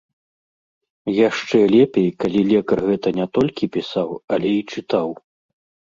Яшчэ лепей, калі лекар гэта не толькі пісаў, але і чытаў.